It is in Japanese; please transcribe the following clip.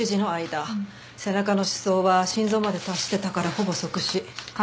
背中の刺創は心臓まで達してたからほぼ即死。